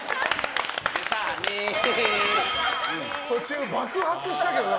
途中、爆発したけど。